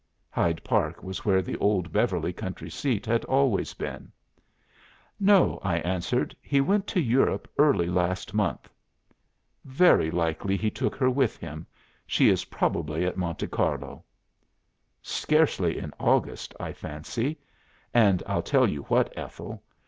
Hyde Park was where the old Beverly country seat had always been." "'No,' I answered. 'He went to Europe early last month.'" "'Very likely he took her with him. She is probably at Monte Carlo.'" "'Scarcely in August, I fancy. And I'll tell you what, Ethel.